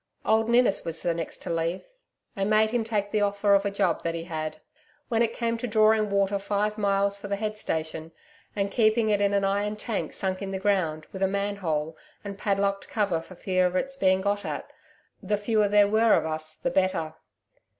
Old Ninnis was the next to leave, I made him take the offer of a job that he had. When it came to drawing water five miles for the head station, and keeping it in an iron tank sunk in the ground, with a manhole and padlocked cover for fear of its being got at, the fewer there were of us the better.